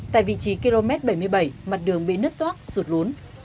tại vị trí km bảy mươi bảy mặt đường bị nứt toác sụt lún